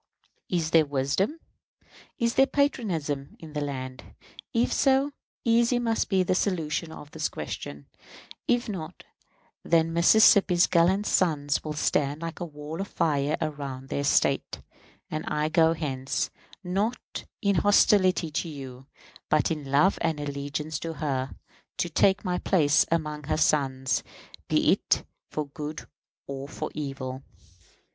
Is there wisdom, is there patriotism in the land? If so, easy must be the solution of this question. If not, then Mississippi's gallant sons will stand like a wall of fire around their State; and I go hence, not in hostility to you, but in love and allegiance to her, to take my place among her sons, be it for good or for evil.